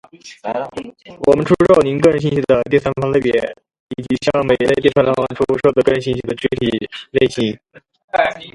我们出售您个人信息的第三方类别，以及向每一类第三方出售的个人信息的具体类别。